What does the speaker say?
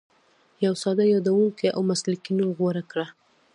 یو ساده، یادېدونکی او مسلکي نوم غوره کړه.